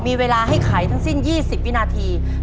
มีเวลาให้ไขทั้งสิ้น๒๐วินาที